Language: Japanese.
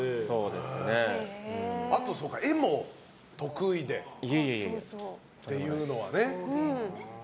あと、絵も得意でっていうのはね。